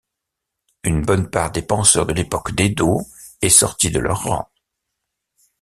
Une bonne part des penseurs de l'époque d'Edo est sortie de leurs rangs.